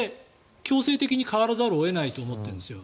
強制的に変わらざるを得ないと思ってるんですよ。